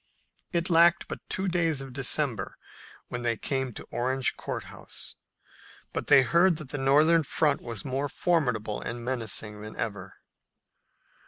It lacked but two days of December when they came to Orange Court House, but they heard that the Northern front was more formidable and menacing than ever.